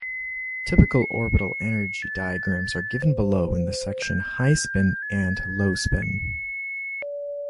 Typical orbital energy diagrams are given below in the section High-spin and low-spin.